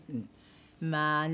まあね。